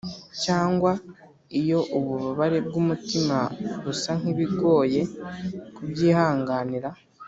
cyangwa iyo ububabare bwumutima busa nkibigoye kubyihanganira,